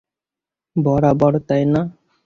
বরা-বর, তাই না?